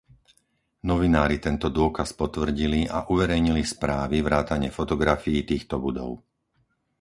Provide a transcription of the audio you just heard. Novinári tento dôkaz potvrdili a uverejnili správy vrátane fotografií týchto budov.